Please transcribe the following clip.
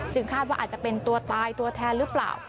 คาดว่าอาจจะเป็นตัวตายตัวแทนหรือเปล่า